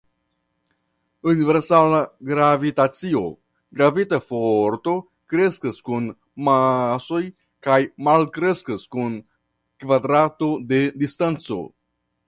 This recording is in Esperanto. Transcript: Universala Gravitacio: Gravita forto kreskas kun masoj kaj malkreskas kun kvadrato de distanco.